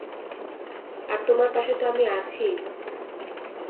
আর তোমার পাশে তো আমি আছি ই।